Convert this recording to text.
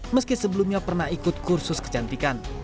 meski sebelumnya pernah ikut kursus kecantikan